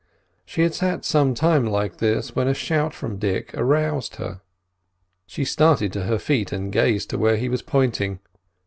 She had sat some time like this when a shout from Dick aroused her. She started to her feet and gazed to where he was pointing.